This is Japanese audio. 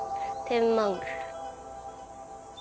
天満宮。